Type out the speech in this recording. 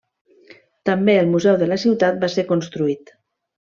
També el museu de la ciutat va ser construït.